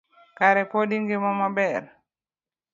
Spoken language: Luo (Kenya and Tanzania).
Kare pod ingima maber.